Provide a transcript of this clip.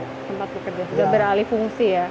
tempat pekerja sudah beralih fungsi ya